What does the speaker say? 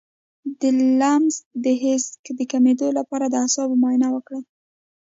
د لمس د حس د کمیدو لپاره د اعصابو معاینه وکړئ